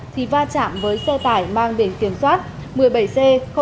thì va chạm với xe tải mang biển kiểm soát một mươi bảy c năm nghìn năm trăm bốn mươi